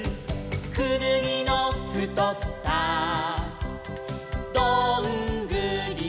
「くぬぎのふとったどんぐりは」